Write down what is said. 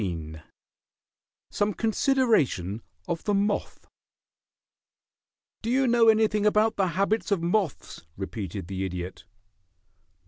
XIV SOME CONSIDERATION OF THE MOTH "Do you know anything about the habits of moths?" repeated the Idiot.